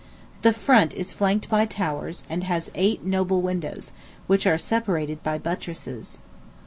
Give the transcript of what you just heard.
The front is flanked by towers, and has eight noble windows, which are separated by buttresses.